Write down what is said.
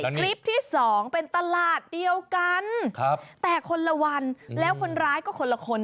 คลิปที่สองเป็นตลาดเดียวกันแต่คนละวันแล้วคนร้ายก็คนละคน